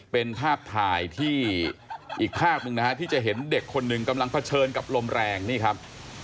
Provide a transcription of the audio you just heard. เป็นภาพถ่ายที่อีกภาพหนึ่งนะฮะที่จะเห็นเด็กคนหนึ่งกำลังเผชิญกับลมแรงนี่ครับ